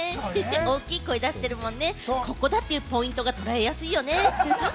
大きい声出してるもんね、ここだ！っていうポイントが捉えやすいよね。